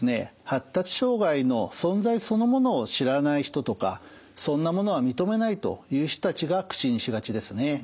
発達障害の存在そのものを知らない人とかそんなものは認めないという人たちが口にしがちですね。